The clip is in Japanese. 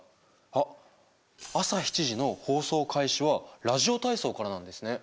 あっ朝７時の放送開始はラジオ体操からなんですね。